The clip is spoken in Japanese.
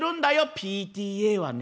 「ＰＴＡはね